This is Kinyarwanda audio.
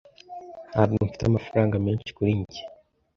Ntabwo mfite amafaranga menshi kuri njye.